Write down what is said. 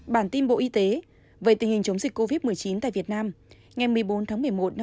bản tin bộ y tế về tình hình chống dịch covid một mươi chín tại việt nam ngày một mươi bốn tháng một mươi một năm hai nghìn hai